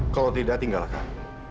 kalau tidak tinggalkan